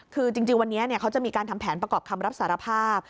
คือจริงวันนี้เขาจะมีการทำแผนประกอบคำรับสารภาพ